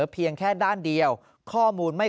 เพียงแค่ด้านเดียวข้อมูลไม่